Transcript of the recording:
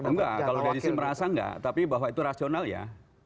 enggak kalau dari sisi merasa enggak tapi bahwa itu rasional ya